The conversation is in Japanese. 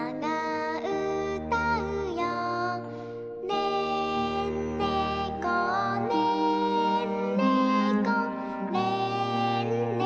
「ねんねこねんねこねんねこよ」